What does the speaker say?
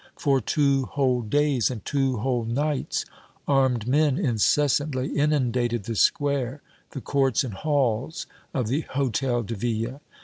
For two whole days and two whole nights armed men incessantly inundated the square, the courts and halls of the Hôtel de Ville.